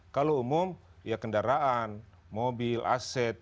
kalau umum ya kendaraan mobil aset